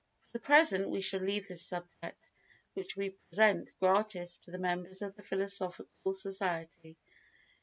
For the present we shall leave this subject which we present gratis to the members of the Philosophical Society.